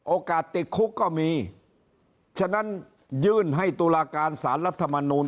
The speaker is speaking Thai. ติดคุกก็มีฉะนั้นยื่นให้ตุลาการสารรัฐมนูล